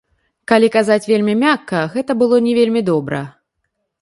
Калі казаць вельмі мякка, гэта было не вельмі добра.